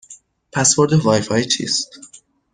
پسورد وای فای چیست؟